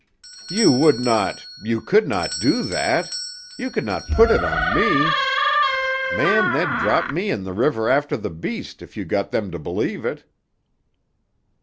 "You would not—you could not do that? You could not put it on me? Man, they'd drop me in the river after the beast, if you got them to believe it."